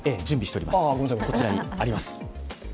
こちらにあります。